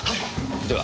では。